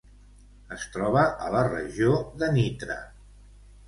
Es troba a la regió de Nitra.